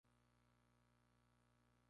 La compañía del Golani luego se retiró.